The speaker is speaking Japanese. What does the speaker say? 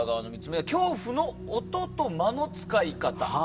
恐怖の音と間の使い方。